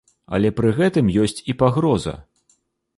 Але пры гэтым ёсць і пагроза.